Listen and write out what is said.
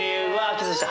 キスした。